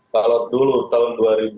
kalau dulu tahun dua ribu dua puluh satu